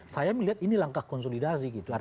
saya melihat ini langkah konsolidasi gitu